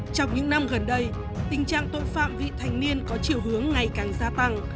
trong những năm gần đây tình trạng tội phạm vị thành niên có chiều hướng ngày càng gia tăng